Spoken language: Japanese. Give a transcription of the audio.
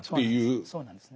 そうなんです。